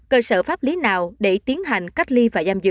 cơ sở pháp lý nào để tiến hành cách ly